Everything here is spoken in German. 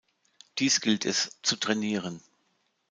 Dies gilt es zu trainieren.